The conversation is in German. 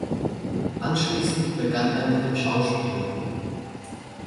Anschließend begann er mit dem Schauspiel.